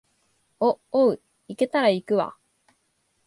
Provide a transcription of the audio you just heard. お、おう、行けたら行くわ